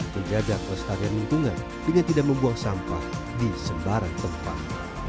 menjaga kelestarian lingkungan dengan tidak membuang sampah di sembarang tempat